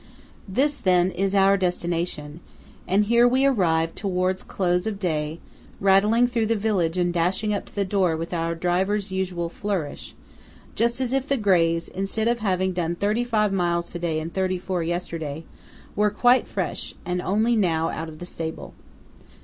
This, then, is our destination, and here we arrive towards close of day, rattling through the village and dashing up to the door with our driver's usual flourish, just as if the greys, instead of having done thirty five miles to day and thirty four yesterday, were quite fresh, and only now out of the stable.